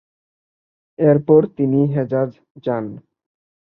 এরপর তিনি হেজাজ যান।